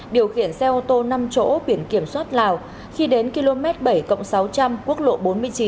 điều khiển xe ô tô năm chỗ biển kiểm soát lào khi đến km bảy sáu trăm linh quốc lộ bốn mươi chín